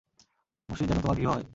মসজিদ যেন তোমার গৃহ হয়।